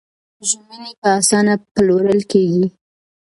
ژمنې په اسانه پلورل کېږي.